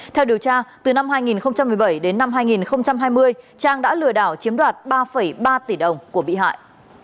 theo điều tra từ năm hai nghìn một mươi bảy đến năm hai nghìn hai mươi trang đã lừa đảo chiếm đoạt ba ba tỷ đồng của bị hại